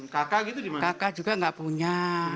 kakak juga tidak punya